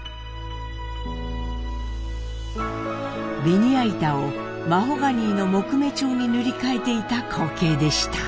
べニヤ板をマホガニーの木目調に塗り替えていた光景でした。